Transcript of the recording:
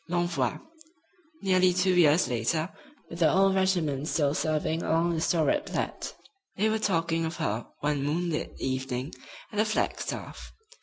L'ENVOI Nearly two years later, with the old regiment still serving along the storied Platte, they were talking of her one moonlit evening at the flagstaff.